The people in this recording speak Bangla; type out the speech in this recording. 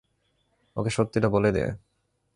ওকে সত্যিটা বলে দে।